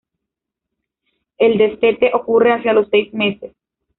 El destete ocurre hacia los seis meses.